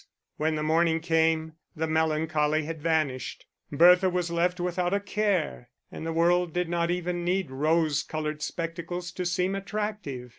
When the morning came, the melancholy had vanished, Bertha was left without a care, and the world did not even need rose coloured spectacles to seem attractive.